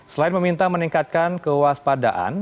selain meminta meningkatkan kewaspadaan